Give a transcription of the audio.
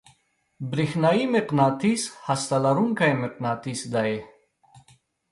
برېښنايي مقناطیس هسته لرونکی مقناطیس دی.